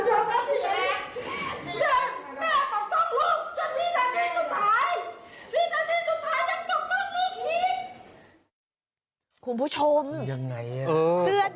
เสื้อหรือจะเป็นาทีฟะ